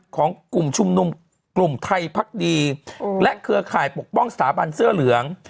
ของกลุ่มชุมนุมกลุ่มไทยพักดีและเครือข่ายปกป้องสถาบันเสื้อเหลือง